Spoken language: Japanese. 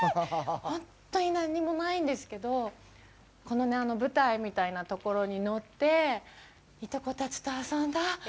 本当に何もないんですけどこの舞台みたいなところに乗っていとこたちと遊んだ。